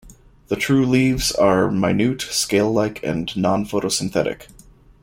The true leaves are minute, scale-like and non-photosynthetic.